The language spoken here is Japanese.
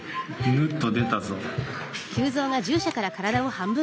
ぬっと出たぞ。